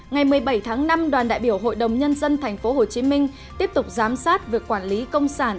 ngày một mươi bảy tháng năm đoàn đại biểu hội đồng nhân dân tp hcm tiếp tục giám sát việc quản lý công sản